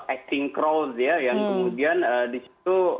acting crowth ya yang kemudian disitu